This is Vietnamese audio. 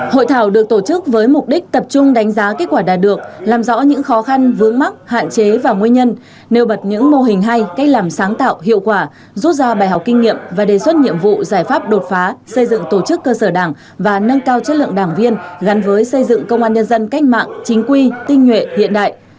hội thảo được tổ chức với mục đích tập trung đánh giá kết quả đạt được làm rõ những khó khăn vướng mắc hạn chế và nguyên nhân nêu bật những mô hình hay cách làm sáng tạo hiệu quả rút ra bài học kinh nghiệm và đề xuất nhiệm vụ giải pháp đột phá xây dựng tổ chức cơ sở đảng và nâng cao chất lượng đảng viên gắn với xây dựng công an nhân dân cách mạng chính quy tinh nhuệ hiện đại